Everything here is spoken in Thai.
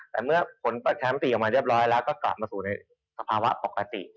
แต่เมื่อผลแชมป์ตีออกมาเรียบร้อยแล้วก็กลับมาสู่ในสภาวะปกติ